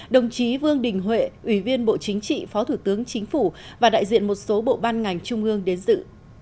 đồng chí vương đình huệ ủy viên bộ chính trị phó thủ tướng chính phủ và đại diện một số bộ ban ngành trung ương đến dự